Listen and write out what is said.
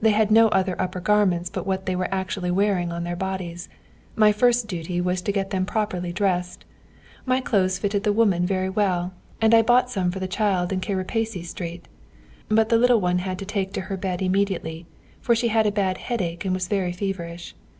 They had no other upper garments but what they were actually wearing on their bodies.... My first duty was to get them properly dressed. My clothes fitted the woman very well, and I bought some for the child in Kerepesi Street. But the little one had to take to her bed immediately, for she had a bad headache and was very feverish.